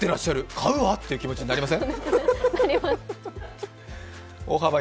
買うわ！って気持ちになりません？